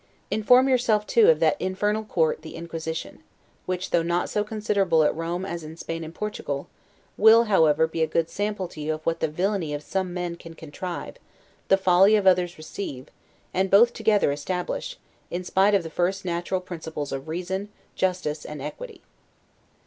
Inform yourself, too, of that infernal court, the Inquisition; which, though not so considerable at Rome as in Spain and Portugal, will, however, be a good sample to you of what the villainy of some men can contrive, the folly of others receive, and both together establish, in spite of the first natural principles of reason, justice, and equity.